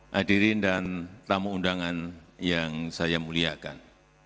hadirin dan tamu undangan yang saya muliakan